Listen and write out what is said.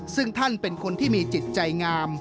ซึ่งท่านเป็นคนที่มีจิตใจงาม